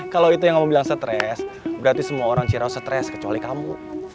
kalau itu yang mau bilang stress berarti semua orang cirau stress kecuali kamu